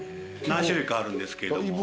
何種類かあるんですけれども。